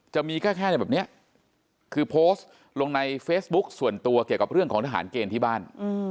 จะมีแค่แบบนี้คือโพสต์ลงในเฟซบุ๊คส่วนตัวเกี่ยวกับเรื่องของทหารเกณฑ์ที่บ้าน